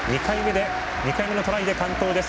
２回目のトライで完登です。